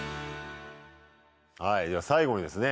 はいじゃあ最後にですね